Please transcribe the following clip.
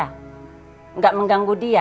tidak mengganggu dia